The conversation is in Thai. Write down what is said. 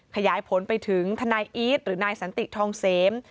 ขยายผลไปถึงทนายอีทหรือนายสันติทองเสม